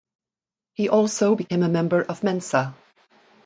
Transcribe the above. He also became a member of Mensa.